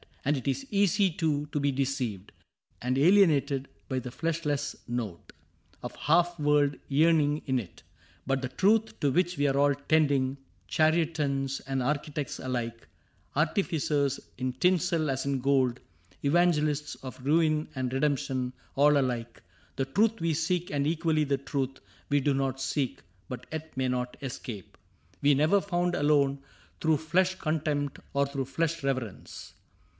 And it is easy too to be deceived And alienated by the fleshless note Of half world yearning in it ; but the truth To which we all are tending, — charlatans And architects alike, artificers In tinsel as in gold, evangelists Of ruin and redemption, all alike, — The truth we seek and equally the truth We do not seek, but yet may not escape. CAPTAIN CRAIG 6i Was never found alone through flesh contempt Or through flesh reverence.